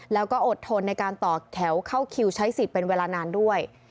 แล้วก็อดทนในการต่อแถวเข้าคิวใช้สิทธิ์เป็นเวลานานด้วย